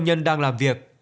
nhân đang làm việc